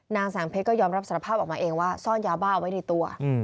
นางแสงเพชรก็ยอมรับสารภาพออกมาเองว่าซ่อนยาบ้าไว้ในตัว